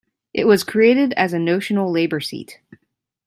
It was created as a notional Labor seat.